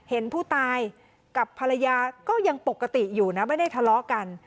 เห็นผู้ตายกับภรรยาก็ยังปกติอยู่นะไม่ได้ทะเลาะกัน